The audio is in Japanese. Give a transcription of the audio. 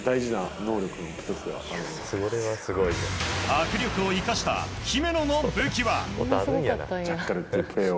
握力を生かした姫野の武器は。